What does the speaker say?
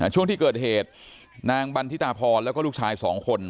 ช่วงที่เกิดเหตุนางบันทิตาพรแล้วก็ลูกชาย๒คน